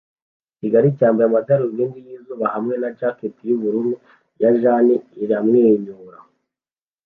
Ikigali cyambaye amadarubindi yizuba hamwe na jacket yubururu ya jean iramwenyura